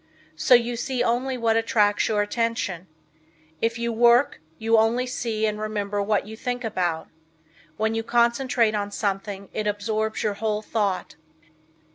So you see only what attracts your attention. If you work you only see and remember what you think about. When you concentrate on something it absorbs your whole thought.